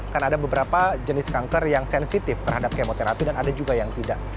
kan ada beberapa jenis kanker yang sensitif terhadap kemoterapi dan ada juga yang tidak